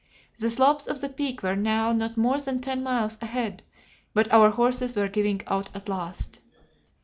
The slopes of the Peak were now not more than ten miles ahead, but our horses were giving out at last.